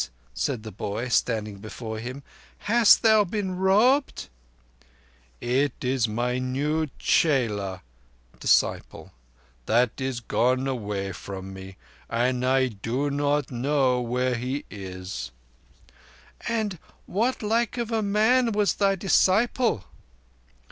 said the boy, standing before him. "Hast thou been robbed?" "It is my new chela (disciple) that is gone away from me, and I know not where he is." "And what like of man was thy disciple?"